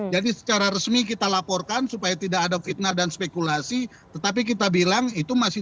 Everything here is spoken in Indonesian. jadi secara resmi kita laporkan supaya tidak ada fitnah dan spekulasi tetapi kita bilang itu masih